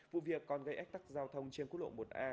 vụ việc còn gây ách tắc giao thông trên quốc lộ một a